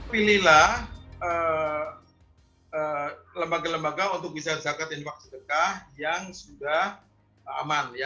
pilihlah lembaga lembaga untuk bisa berzakat dan berzakat yang sudah aman